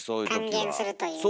還元するというね。